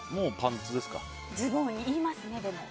ズボン、言いますね。